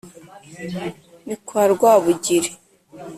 Ni kwa Rwabugiri